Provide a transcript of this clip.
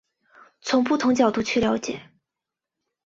从不同角度去了解